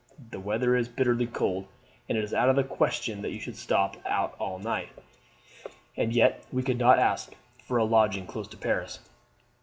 The weather is bitterly cold, and it is out of the question that you should stop out all night, and yet we could not ask for a lodging close to Paris.